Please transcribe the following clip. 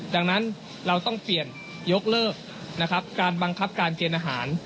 ดังนั้นเราต้องเปลี่ยนยกเลิกนะครับการบังคับการเกณฑ์อาหาร